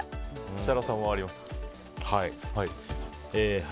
設楽さんはありますか？